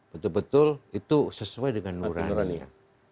betul betul itu sesuai dengan moralnya